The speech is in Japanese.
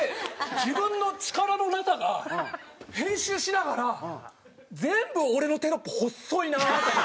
自分の力のなさが編集しながら全部俺のテロップ細いなと思って。